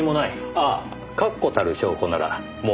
ああ確固たる証拠ならもうじきここに。